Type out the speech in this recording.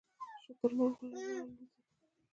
شترمرغ ولې نه الوځي؟